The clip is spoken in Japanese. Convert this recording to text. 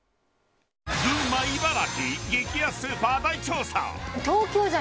群馬、茨城激安スーパー大調査。